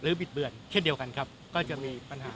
บิดเบือนเช่นเดียวกันครับก็จะมีปัญหา